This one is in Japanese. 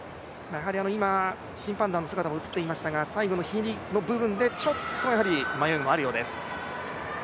今、審判団の姿が映っていましたが最後のひねりの部分でちょっと迷いもあるようです。